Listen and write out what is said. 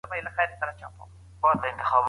د صنايعو ساتنه څنګه کيږي؟